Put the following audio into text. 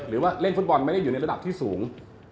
หรือว่าเล่นฟุตบอลไม่ได้อยู่ในระดับที่สูง